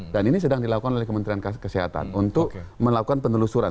dan ini sedang dilakukan oleh kementerian kesehatan untuk melakukan penelusuran